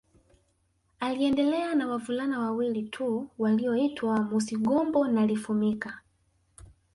Aliendelea na wavulana wawili tu walioitwa Musigombo na Lifumika